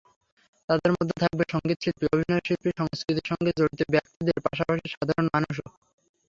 তাদের মধ্যে থাকবে সংগীতশিল্পী, অভিনয়শিল্পী, সংস্কৃতির সঙ্গে জড়িত ব্যক্তিদের পাশাপাশি সাধারণ মানুষও।